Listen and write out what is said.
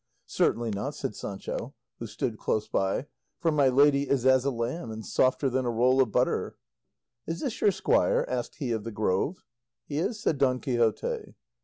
"Certainly not," said Sancho, who stood close by, "for my lady is as a lamb, and softer than a roll of butter." "Is this your squire?" asked he of the Grove. "He is," said Don Quixote.